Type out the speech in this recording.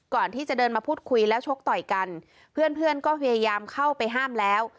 ก่อนที่จะเดินมาพูดคุยแล้วชกต่อยกันเพื่อนเพื่อนก็พยายามเข้าไปห้ามแล้ว